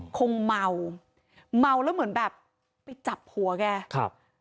คงเมาเมาแล้วเหมือนแบบไปจับหัวแกครับ